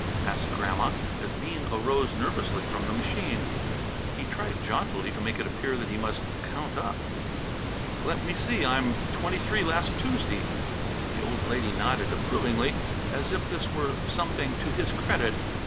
asked Grandma, as Bean arose nervously from the machine. He tried jauntily to make it appear that he must "count up." "Let me see. I'm twenty three last Tuesday." The old lady nodded approvingly, as if this were something to his credit.